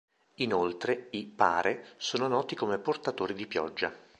Inoltre, i Pare sono noti come portatori di pioggia.